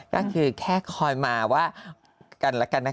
ก็คือแค่คอยมาว่ากันแล้วกันนะคะ